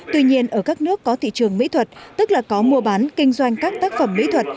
tuy nhiên ở các nước có thị trường mỹ thuật tức là có mua bán kinh doanh các tác phẩm mỹ thuật